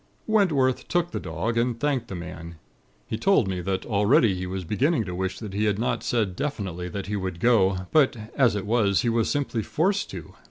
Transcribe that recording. "Wentworth took the dog, and thanked the man. He told me that, already, he was beginning to wish that he had not said definitely that he would go; but, as it was, he was simply forced to.